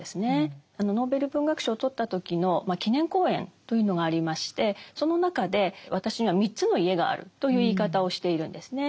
ノーベル文学賞を取った時の記念講演というのがありましてその中で「私には三つの家がある」という言い方をしているんですね。